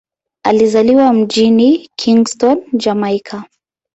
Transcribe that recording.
Alizaliwa mjini Kingston, Jamaika.